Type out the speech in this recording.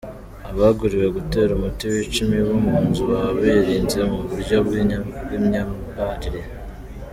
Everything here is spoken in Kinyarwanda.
Abaguriwe gutera umuti wica imibu mu nzu baba birinze mu buryo bw’imyambarire.